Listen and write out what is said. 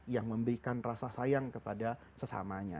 yang memberikan rasa sayang kepada sesamanya